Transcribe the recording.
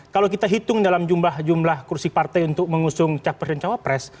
kalau kita hitung dalam jumlah jumlah kursi partai untuk mengusung capres dan cawapres